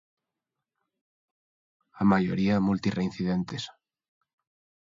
A maioría multirreincidentes.